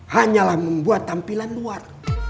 hanyalah membuat tampilan luar